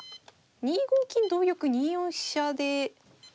２五金同玉２四飛車で。